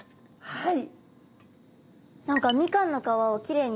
はい。